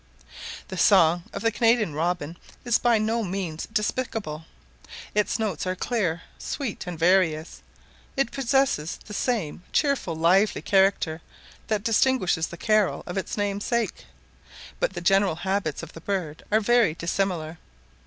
The song of the Canadian robin is by no means despicable; its notes are clear, sweet, and various; it possesses the same cheerful lively character that distinguishes the carol of its namesake; but the general habits of the bird are very dissimilar.